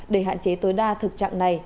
để hạn chế tối đa thực trạng này